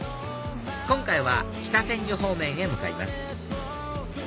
今回は北千住方面へ向かいます